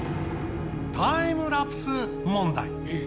タイムラプス問題。